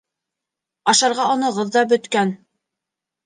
Ашарға оноғоҙ ҙа бөткән.